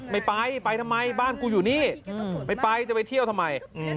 ไม่ไปไปทำไมบ้านกูอยู่นี่ไม่ไปจะไปเที่ยวทำไม